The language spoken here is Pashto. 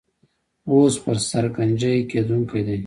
اوس پر سر ګنجۍ کېدونکی دی.